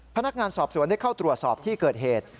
พนักงานสอบสวนได้เข้าตรวจสอบที่เกิดเหตุ